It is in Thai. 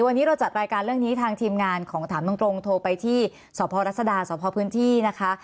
วันนี้เราจัดรายการเรื่องนี้ทางทีมงานของถามตรงโทรไปที่สพรัศดาสพพื้นที่นะคะ